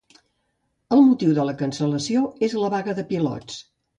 El motiu de la cancel·lació és la vaga de pilots